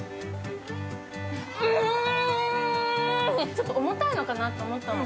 ちょっと重たいのかなと思ったの。